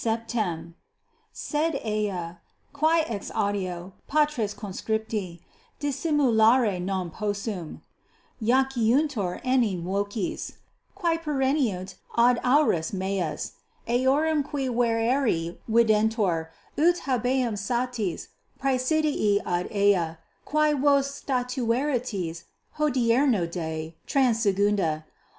= Sed ea, quae exaudio, patres conscripti, dissimulare non 14 possum. Iaciuntur enim voces, quae perveniunt ad aures meas, eorum qui vereri videntur, ut habeam satis praesidii ad ea, quae vos statueritis hodierno die, transigunda.